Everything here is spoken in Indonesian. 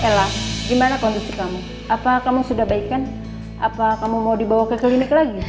ella gimana kondisi kamu apa kamu sudah baik kan apa kamu mau dibawa ke klinik lagi